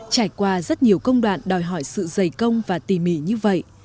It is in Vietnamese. trải qua rất nhiều công đoạn đòi hỏi sự dày công và tỉ mỉ như vậy